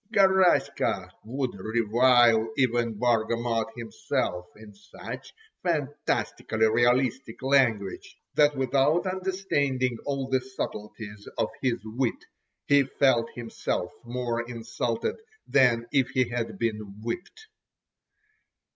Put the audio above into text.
Garaska would revile even Bargamot himself in such fantastically realistic language, that without understanding all the subtleties of his wit, he felt himself more insulted, than if he had been whipped.